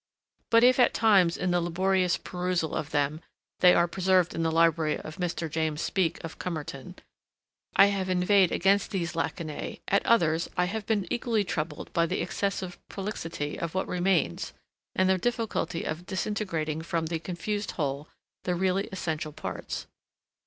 But if at times in the laborious perusal of them they are preserved in the library of Mr. James Speke of Comerton I have inveighed against these lacunae, at others I have been equally troubled by the excessive prolixity of what remains and the difficulty of disintegrating from the confused whole the really essential parts.